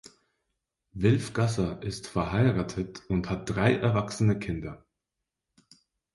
Wilf Gasser ist verheiratet und hat drei erwachsene Kinder.